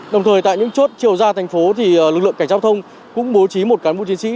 đồng thời tại những chốt chiều ra thành phố thì lực lượng cảnh giao thông cũng bố trí một cán bộ chiến sĩ